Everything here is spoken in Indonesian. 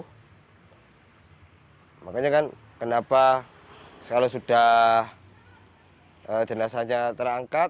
hai makanya kan kenapa kalau sudah jenazahnya terangkat